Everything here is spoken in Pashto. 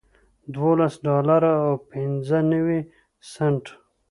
دولس ډالره او پنځه نوي سنټه